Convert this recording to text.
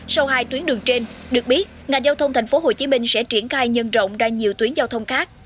sau hai tuyến đường trên được biết ngành giao thông tp hcm sẽ triển khai nhân rộng ra nhiều tuyến giao thông khác